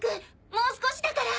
もう少しだから！